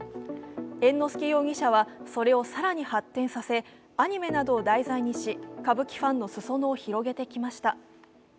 猿之助容疑者は、それをさらに発展させアニメなどを題材にし、歌舞伎ファンの裾野を広げてきました。